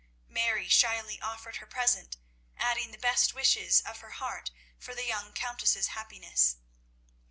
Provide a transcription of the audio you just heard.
Mary shyly offered her present, adding the best wishes of her heart for the young Countess's happiness.